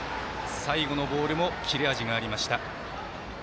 最後のボールも切れ味がありました。